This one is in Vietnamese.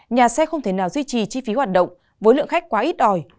nhà xe không thể nào duy trì chi phí hoạt động với lượng khách quá ít ỏi